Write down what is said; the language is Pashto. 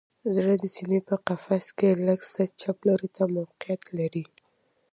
زړه د سینه په قفس کې لږ څه چپ لوري ته موقعیت لري